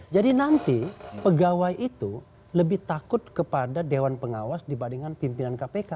jadi nanti pegawai itu lebih takut kepada dewan pengawas dibandingkan pimpinan kpk